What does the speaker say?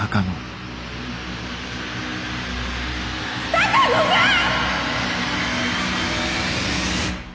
鷹野さん！